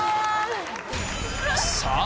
さあ